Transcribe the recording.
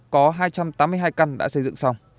có hai trăm tám mươi hai căn đã xây dựng xong